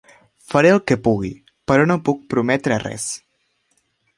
Faré el que pugui, però no puc prometre res.